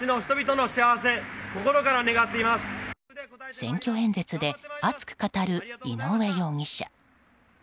選挙演説で熱く語る井上容疑者。